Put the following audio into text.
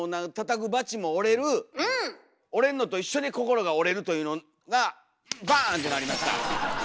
折れんのと一緒に心が折れるというのがバーン！ってなりました。